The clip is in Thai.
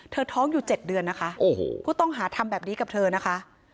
ท้องอยู่๗เดือนนะคะโอ้โหผู้ต้องหาทำแบบนี้กับเธอนะคะ